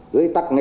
cứ tắt nghệ